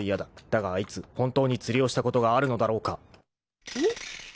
だがあいつ本当に釣りをしたことがあるのだろうか］